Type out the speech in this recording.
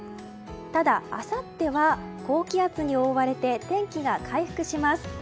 ただ、あさっては高気圧に覆われて天気が回復します。